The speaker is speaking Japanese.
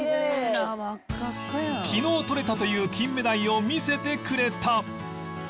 昨日とれたというキンメダイを見せてくれた